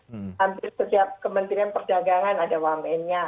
hampir setiap kementerian perdagangan ada wamennya